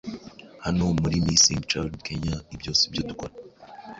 hano muri missing child Kenya ibyo sibyo dukora